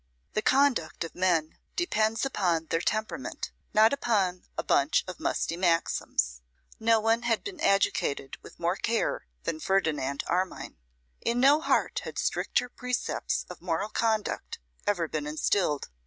The conduct of men depends upon their temperament, not upon a bunch of musty maxims. No one had been educated with more care than Ferdinand Armine; in no heart had stricter precepts of moral conduct ever been instilled.